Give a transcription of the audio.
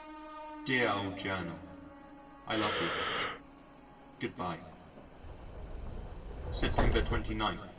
Dear old Journal, I love you! Good bye. September 29.